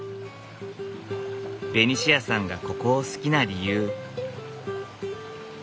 ベニシアさんがここを好きな理由。